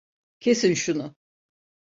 Kesin şunu.